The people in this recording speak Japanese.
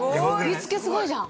◆煮つけ、すごいじゃん！